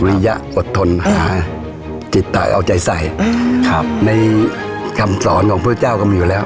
วิริยะอดทนจิตตาเอาใจใสในคำสอนของพระเจ้าก็มีอยู่แล้ว